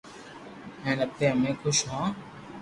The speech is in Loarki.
ھين اپي ھمي خوس ھون